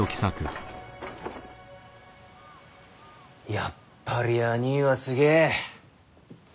やっぱりあにぃはすげぇ。